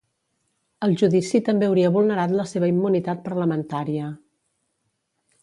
El judici també hauria vulnerat la seva immunitat parlamentària.